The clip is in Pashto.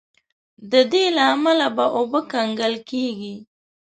د دې له امله به اوبه کنګل کیږي.